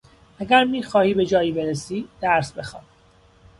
اگر میخواهی به جایی برسی درس بخوان.